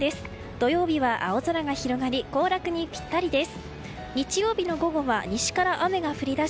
土曜日は青空が広がり行楽にぴったりです。